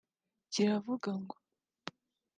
kiravuga ngo